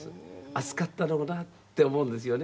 暑かったろうなって思うんですよね。